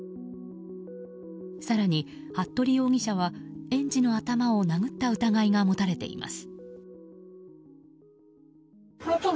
更に、服部容疑者は園児の頭を殴った疑いが持たれています。